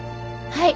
はい。